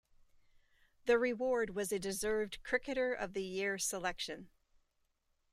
The reward was a deserved Cricketer Of the Year selection.